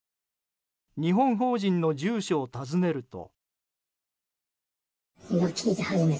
日本法人の住所を訪ねると。